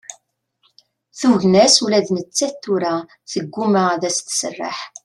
Tugna-s ula d nettat tura tegguma ad as-tesserḥ.